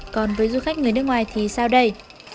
còn với du khách người nước ngoài thì sau đây